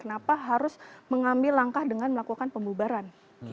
kenapa harus mengambil langkah dengan melakukan pembubaran